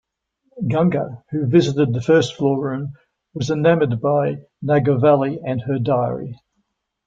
Ganga who visited the first floor room was enamoured by Nagavalli and her diary.